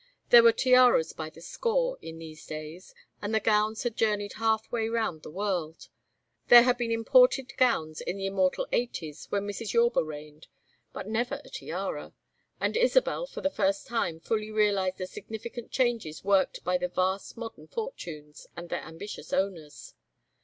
There were tiaras by the score in these days, and the gowns had journeyed half way round the world. There had been imported gowns in the immortal Eighties, when Mrs. Yorba reigned, but never a tiara; and Isabel for the first time fully realized the significant changes worked by the vast modern fortunes and their ambitious owners.